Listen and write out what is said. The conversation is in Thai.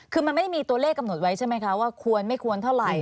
คือมันไม่ได้มีตัวเลขกำหนดไว้ใช่ไหมคะว่าควรไม่ควรเท่าไหร่